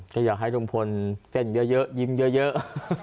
ก็อยากให้ลุงพลเต้นเยอะยิ้มเยอะ